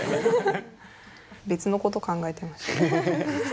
別のこと考えてました。